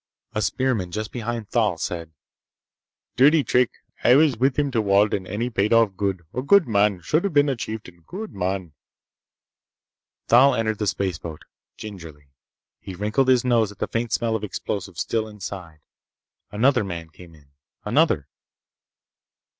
A spearman just behind Thal said: "Dirty trick! I was with him to Walden, and he paid off good! A good man! Shoulda been a chieftain! Good man!" Thal entered the spaceboat. Gingerly. He wrinkled his nose at the faint smell of explosive still inside. Another man came in. Another.